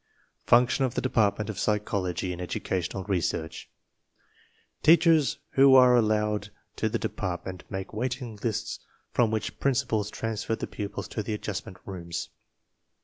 FUNCTION OF THE DEPARTMENT OF PSYCHOLOGY AND EDUCATIONAL RESEARCH Teachers who are allowed to the department make waiting lists from which principals transfer the pupils to the Adjustment Rooms.